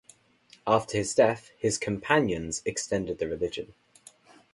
After his death, his companions extended the religion.